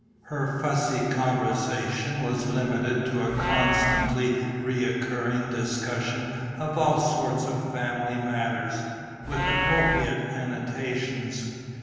Her fussy conversation was limited to a constantly recurrent discussion of all sorts of family matters, with appropriate annotations.